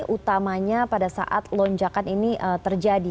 utamanya pada saat lonjakan ini terjadi